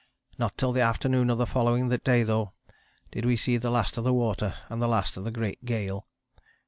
Not till the afternoon of the following day, though, did we see the last of the water and the last of the great gale.